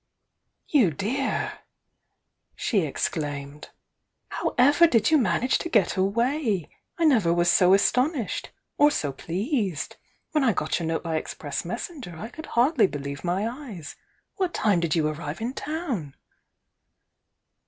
"You dear!" she exclaimed. "How ever did you manage to get away? I never was so astonished! Or so pleased! When I got your note by express messenger, I could hardly believe my eyes! What time did you arrive m town?"